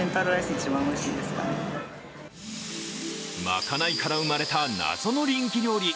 まかないから生まれた謎の人気料理